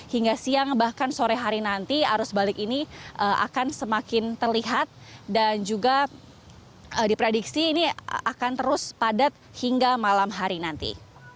hingga siang bahkan sore hari nanti arus balik ini akan semakin terlihat dan juga diprediksi ini akan terus padat hingga malam hari nanti